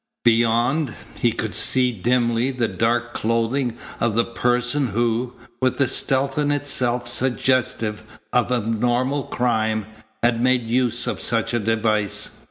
Beyond, he could see dimly the dark clothing of the person who, with a stealth in itself suggestive of abnormal crime, had made use of such a device.